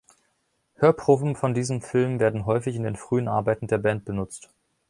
Hörproben von diesem Film werden häufig in den frühen Arbeiten der Band benutzt.